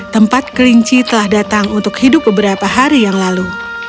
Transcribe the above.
tempat kelinci telah datang untuk hidup beberapa hari yang lalu